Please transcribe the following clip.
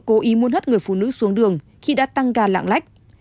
cố ý muốn hất người phụ nữ xuống đường khi đã tăng ga lạng lách